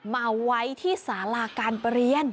มาเอาไว้ที่สาราการเปรี้ยน